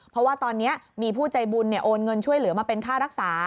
เพราะว่าตอนนี้มีผู้ใจบุญโอนเงินช่วยเหลือมาเป็นค่ารักษา